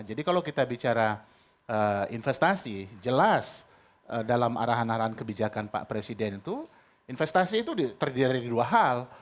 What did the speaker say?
jadi kalau kita bicara investasi jelas dalam arahan arahan kebijakan pak presiden itu investasi itu terdiri dari dua hal